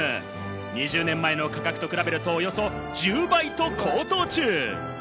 ２０年前の価格と比べると、およそ１０倍と高騰中！